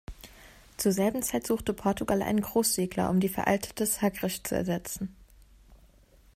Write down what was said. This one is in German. Zur selben Zeit suchte Portugal einen Großsegler, um die veraltete "Sagres" zu ersetzen.